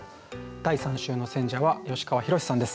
第３週の選者は吉川宏志さんです。